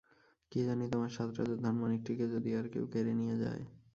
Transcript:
কী জানি, তোমার সাত রাজার ধন মানিকটিকে যদি আর কেউ কেড়ে নিয়ে যায়।